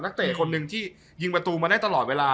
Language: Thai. นักเตกี่ยิงประตูไม่ได้ตลอดเวลา